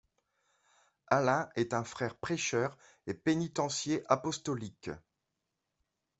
Alain est un frère prêcheur et pénitencier apostolique.